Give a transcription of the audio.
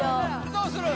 ・どうする？